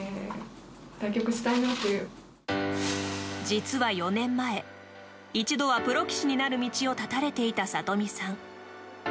実は４年前一度はプロ棋士になる道を絶たれていた里見さん。